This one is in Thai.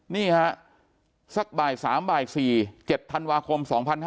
นี่ฮะสักบ่าย๓บ่าย๔๗ธันวาคม๒๕๕๙